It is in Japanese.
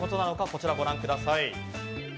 こちらをご覧ください。